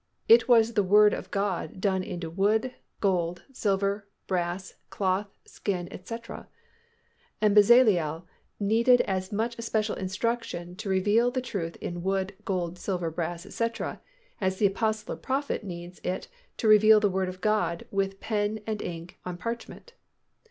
It was the Word of God done into wood, gold, silver, brass, cloth, skin, etc. And Bezaleel needed as much special inspiration to reveal the truth in wood, gold, silver, brass, etc., as the apostle or prophet needs it to reveal the Word of God with pen and ink on parchment.